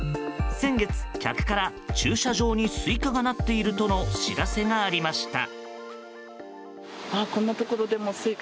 先月、客から駐車場にスイカがなっているとの知らせがありました。